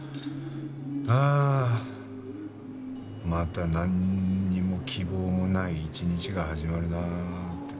ああまたなんにも希望もない一日が始まるなあって。